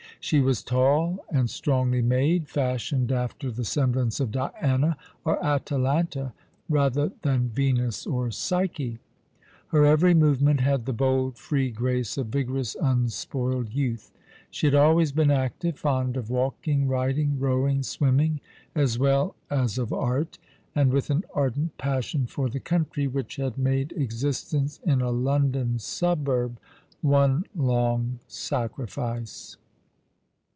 She was tall and strongly made, fashioned after the semblance of Diana or Atalanta rather than Venus or Psyche. Her every movement had the bold, free grace of vigorous, unspoiled youth. She had always been active— fond of walking, riding, rowing, swimming, as well as of art, and with an ardent passion for the country, which had made existence in a London suburb, one long sacrifice.